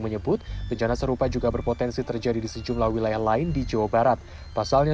menyebut bencana serupa juga berpotensi terjadi di sejumlah wilayah lain di jawa barat pasalnya